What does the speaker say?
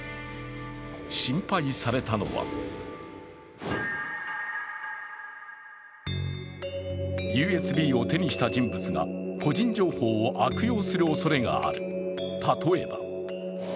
心配されたのはＵＳＢを手にした人物が個人情報を悪用するおそれがある。